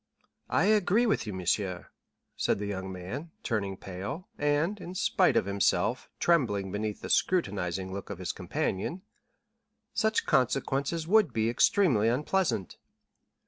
"I agree with you, monsieur," said the young man, turning pale, and, in spite of himself, trembling beneath the scrutinizing look of his companion, "such consequences would be extremely unpleasant."